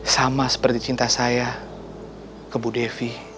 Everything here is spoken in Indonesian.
sama seperti cinta saya ke bu devi